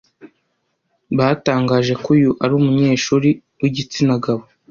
Batangaje ko uyu ari umunyeshuri w'igitsina gabo